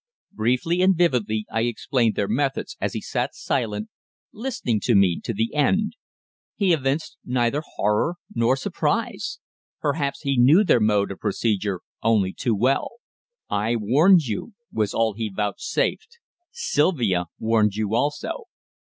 Briefly and vividly I explained their methods, as he sat silent, listening to me to the end. He evinced neither horror nor surprise. Perhaps he knew their mode of procedure only too well. "I warned you," was all he vouchsafed. "Sylvia warned you also."